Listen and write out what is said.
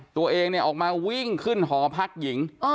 ตัวเองออกมาวิ่งขึ้นหอพักหญิง